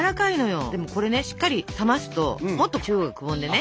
でもこれねしっかり冷ますともっと中央がくぼんでね